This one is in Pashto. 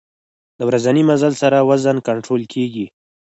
د ورځني مزل سره وزن کنټرول کېږي.